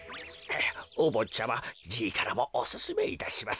おぼっちゃまじいからもおすすめいたします。